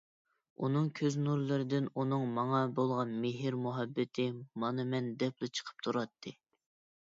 ئۇنىڭ كۆز نۇرلىرىدىن ئۇنىڭ ماڭا بولغان مېھىر-مۇھەببىتى مانا مەن دەپلا چىقىپ تۇراتتى.